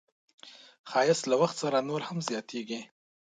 ښایست له وخت سره نور هم زیاتېږي